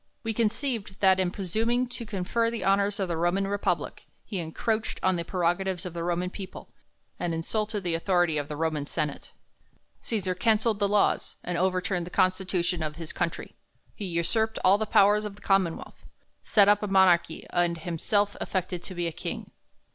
We conceived, that, in presuming to confer the honors of the Roman Republic, he encroached on the prerogatives of the Roman people, and insulted the authority of the Roman senate. Cesar cancelled the laws, and over tunied the constitution of his country ; he usurped all the powers of the commonwealth, set up a m.onarchy, and liimself aflected to be a king.